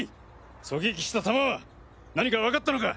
狙撃した弾は何かわかったのか？